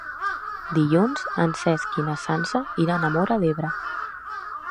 Dilluns en Cesc i na Sança iran a Móra d'Ebre.